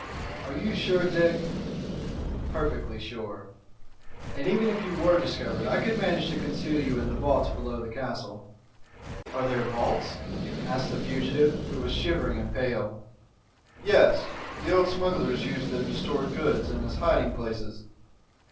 "Are you sure, Dick?" "Perfectly sure. And even if you were discovered I could manage to conceal you in the vaults below the castle." "Are there vaults?" asked the fugitive, who was shivering and pale. "Yes! The old smugglers used them to store goods and as hiding places.